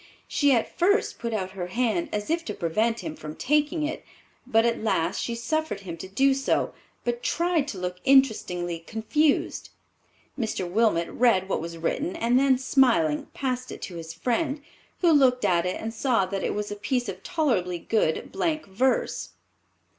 She at first put out her hand as if to prevent him from taking it, but at last she suffered him to do so, but tried to look interestingly confused. Mr. Wilmot read what was written and then smiling passed it to his friend, who looked at it and saw that it was a piece of tolerably good blank verse.